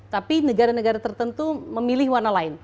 tapi negara negara tertentu memilih warna lain